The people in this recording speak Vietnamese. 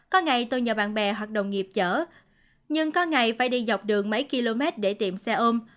có ngày tôi nhờ bạn bè hoạt động nghiệp chở nhưng có ngày phải đi dọc đường mấy km để tìm xe ôm